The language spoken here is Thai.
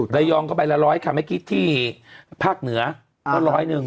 ระยองก็ใบละร้อยค่ะเมื่อกี้ที่ภาคเหนือก็ร้อยหนึ่ง